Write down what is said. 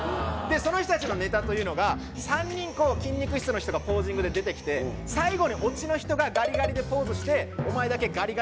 その人たちのネタというのが３人筋肉質の人がポージングで出てきて最後にオチの人がガリガリでポーズして。